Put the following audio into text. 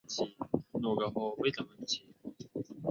后转小承御上士。